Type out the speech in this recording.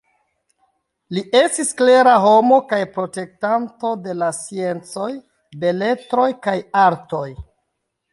Li estis klera homo kaj protektanto de la sciencoj, beletroj kaj artoj.